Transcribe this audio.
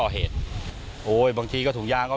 เหมือนจะข้องติดนะละ